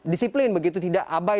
disiplin begitu tidak abai